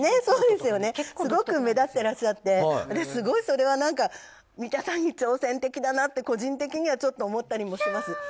すごく目立っていらっしゃってすごいそれは三田さんに挑戦的だなって個人的にはちょっと思ったりもします。